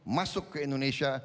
masuk ke indonesia